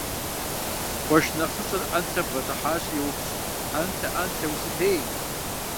Къуэш нэхъыщӀэр Ӏэнлъэм бгъэдыхьащи йоупщӀ: – Ӏэнлъэ, Ӏэнлъэ, усытей?